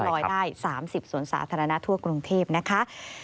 ลอยได้๓๐สวนสาธารณะทั่วกรุงเทพนะคะ